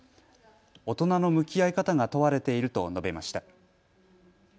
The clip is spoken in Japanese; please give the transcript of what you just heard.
大人の向き合い方が問われていると述べました。